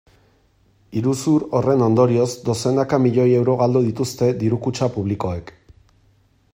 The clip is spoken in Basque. Iruzur horren ondorioz dozenaka milioi euro galdu dituzte diru-kutxa publikoek.